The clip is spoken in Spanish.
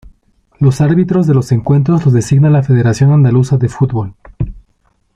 Los árbitros de los encuentros los designa la Federación Andaluza de Fútbol.